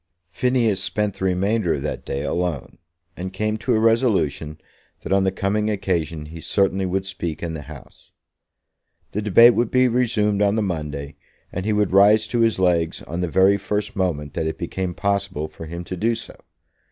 Phineas spent the remainder of that day alone, and came to a resolution that on the coming occasion he certainly would speak in the House. The debate would be resumed on the Monday, and he would rise to his legs on the very first moment that it became possible for him to do so.